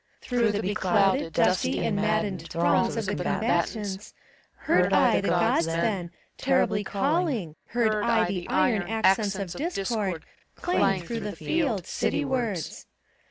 Through the beclouded, dusty and maddened Throngs of the combatants, heard I the Gk>ds then Terribly calling, heard I the iron Accents of Discord clang through the field, City wards.